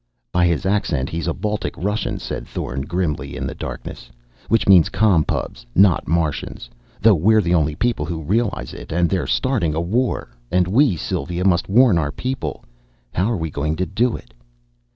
"By his accent, he's a Baltic Russian," said Thorn very grimly in the darkness. "Which means Com Pubs, not Martians, though we're the only people who realize it; and they're starting a war! And we, Sylva, must warn our people. How are we going to do it?"